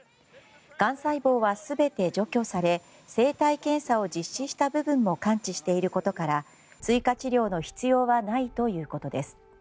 がん細胞は全て除去され生体検査を実施した部分も完治していることから追加治療の必要はないということです。